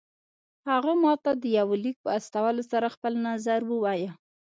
هغه ماته د يوه ليک په استولو سره خپل نظر ووايه.